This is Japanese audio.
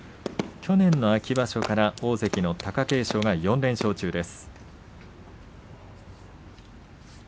去年の秋場所から大関の貴景勝が４連勝中です。